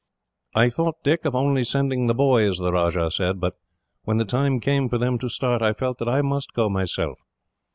"I thought, Dick, of only sending the boys," the Rajah said, "but when the time came for them to start, I felt that I must go myself.